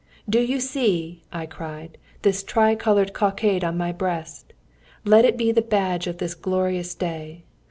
"Do you see," I cried, "this tricoloured cockade on my breast? Let it be the badge of this glorious day!